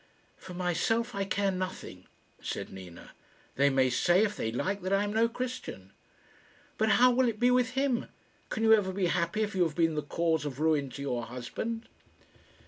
"For myself I care nothing," said Nina. "They may say, if they like, that I am no Christian." "But how will it be with him? Can you ever be happy if you have been the cause of ruin to your husband?"